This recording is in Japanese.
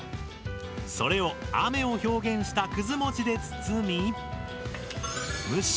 それを雨を表現したくず餅で包みいきます。